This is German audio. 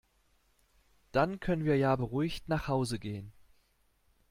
Dann können wir ja beruhigt nach Hause gehen.